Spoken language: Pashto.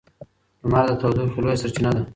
لمر د تودوخې لویه سرچینه ده.